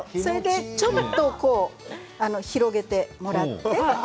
ちょっと広げてもらって。